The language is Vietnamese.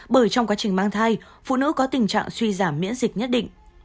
bởi trong quá trình mang thai phụ nữ có tình trạng suy giảm miễn dịch nhất định